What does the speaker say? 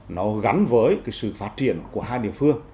nó gắn với cái sự phát triển của hai địa phương